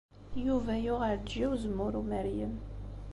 Yuba yuɣ Ɛelǧiya n Uzemmur Umeryem.